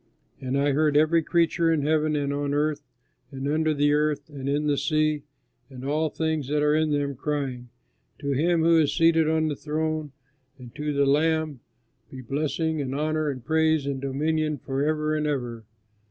And I heard every creature in heaven and on earth and under the earth and in the sea and all things that are in them crying, "To him who is seated on the throne and to the Lamb, be blessing and honor and praise and dominion forever and ever!"